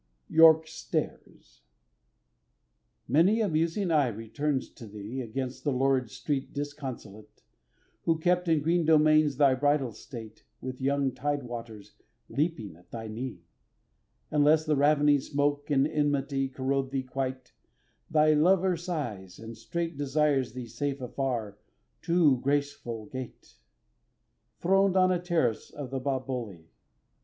York Stairs MANY a musing eye returns to thee, Against the lurid street disconsolate, Who kept in green domains thy bridal state, With young tide waters leaping at thy knee; And lest the ravening smoke, and enmity, Corrode thee quite, thy lover sighs, and straight Desires thee safe afar, too graceful gate! Throned on a terrace of the Boboli.